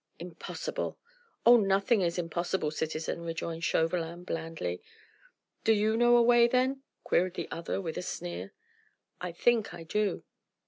"Impossible." "Oh! nothing is impossible, citizen," rejoined Chauvelin blandly. "Do you know a way then?" queried the other with a sneer. "I think I do.